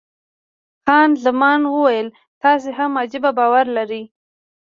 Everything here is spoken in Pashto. خان زمان وویل، تاسې هم عجبه باور لرئ.